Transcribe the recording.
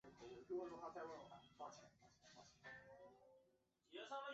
另一个被某些人认为是技术恐惧人群的是阿米什人。